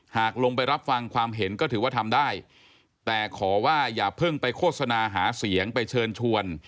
หากลงไปรับฟังความเห็นก็ถือว่าทำได้แต่ขอว่าอย่าเพิ่งไปโฆษณาหาเสียงไปเชิญชวน